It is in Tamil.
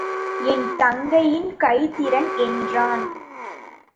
என் தங்கையின் கைத்திறன் என்றான்.